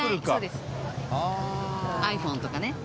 ｉＰｈｏｎｅとかね。